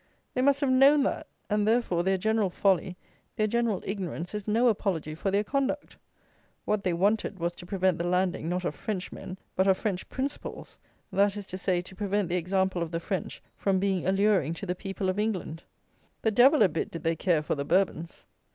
They must have known that; and, therefore, their general folly, their general ignorance, is no apology for their conduct. What they wanted, was to prevent the landing, not of Frenchmen, but of French principles; that is to say, to prevent the example of the French from being alluring to the people of England. The devil a bit did they care for the Bourbons.